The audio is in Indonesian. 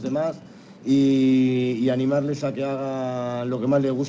dan ekipa di atas semua orang lain